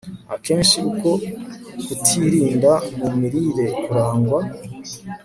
Akenshi uko kutirinda mu mirire kurangwa